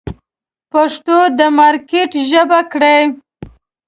پښتو د مارکېټ ژبه کړئ.